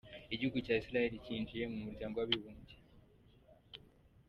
Igihugu cya Israel cyinjiye mu muryango w’abibumbye.